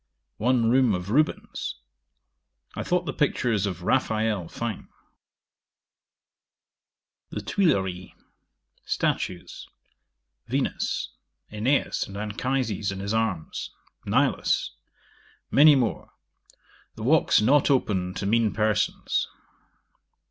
One room of Rubens I thought the pictures of Raphael fine. 'The Thuilleries. Statues. Venus. Aen. and Anchises in his arms. Nilus. Many more. The walks not open to mean persons.